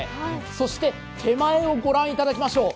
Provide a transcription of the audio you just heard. そして手前をご覧いただきましょう。